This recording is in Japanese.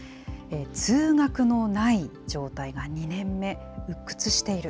通学のない状態が２年目、うっ屈している。